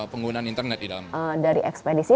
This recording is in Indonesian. penggunaan internet di dalam dari ekspedisi